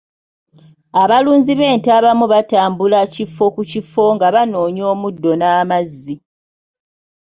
Abalunzi b'ente abamu batambula kifo ku kifo nga banoonya omuddo n'amazzi.